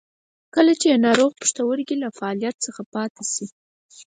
کله چې د ناروغ پښتورګي له فعالیت څخه پاتې شي.